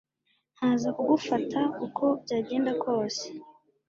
Nkaza kugufata uko byagenda kose